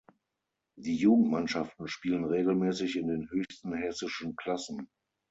Die Jugendmannschaften spielen regelmäßig in den höchsten hessischen Klassen.